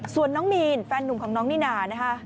ส่วนน้องมีนแฟนหนุ่มของน้องนิน่านะคะ